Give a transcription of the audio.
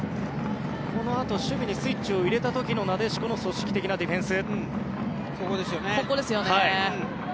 このあと守備にスイッチを入れた時のなでしこの組織的なディフェンス。